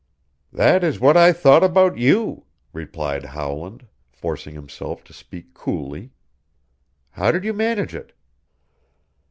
"That is what I thought about you," replied Howland, forcing himself to speak coolly. "How did you manage it?"